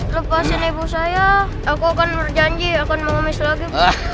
lepaskan ibu saya aku akan berjanji akan memamis lagi